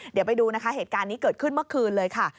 เดี๋ยวไปดูนะคะเหตุการณ์นี้เกิดขึ้นเมื่อคืนเลยค่ะ